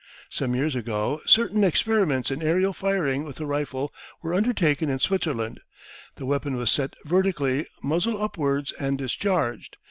Some years ago certain experiments in aerial firing with a rifle were undertaken in Switzerland. The weapon was set vertically muzzle upwards and discharged.